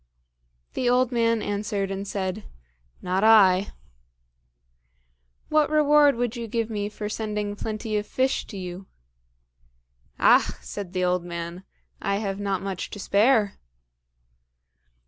The old man answered and said, "Not I." "What reward would you give me for sending plenty of fish to you?" "Ach!" said the old man, "I have not much to spare."